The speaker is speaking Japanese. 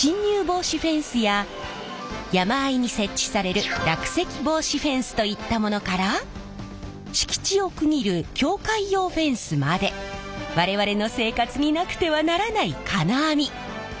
防止フェンスや山あいに設置される落石防止フェンスといったものから敷地を区切る境界用フェンスまで我々の生活になくてはならない金網！